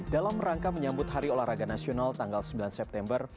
dalam rangka menyambut hari olahraga nasional tanggal sembilan september